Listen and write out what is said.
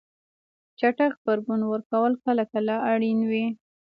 چټک غبرګون ورکول کله کله اړین وي.